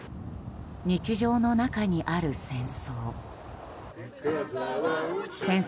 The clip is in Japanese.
日常の中にある戦争。